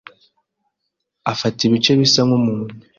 afata ibice bisa nk’umuntu.